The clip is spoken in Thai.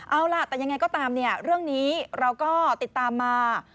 เอาล่ะแต่ยังไงก็ตามเนี่ยเรื่องนี้เราก็ติดตามมา